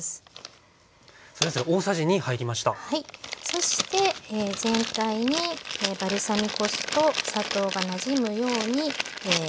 そして全体にバルサミコ酢とお砂糖がなじむように混ぜます。